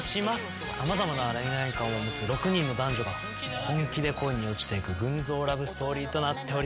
様々な恋愛観を持つ６人の男女が本気で恋に落ちていく群像ラブストーリーとなっております。